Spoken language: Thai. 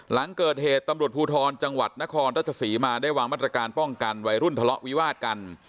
หลังเกิดเหตุตำรวจภูทรจังหวัดนครราชศรีมาได้วางมาตรการป้องกันวัยรุ่นทะเลาะวิวาดกัน